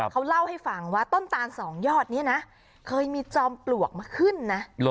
เขาเล่าให้ฟังว่าต้นตานสองยอดนี้นะเคยมีจอมปลวกมาขึ้นนะ